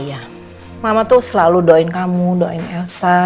ya pak amar sih